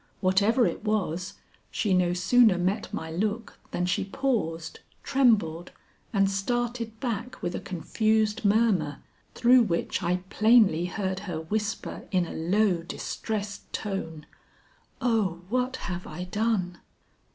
Whatever it was, she no sooner met my look than she paused, trembled, and started back with a confused murmur, through which I plainly heard her whisper in a low distressed tone, "Oh, what have I done!"